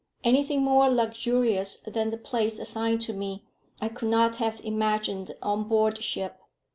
Anything more luxurious than the place assigned to me, I could not have imagined on board ship.